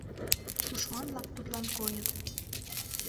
Тушман-влак тудлан койыт.